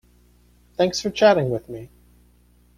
Thanks for chatting with me.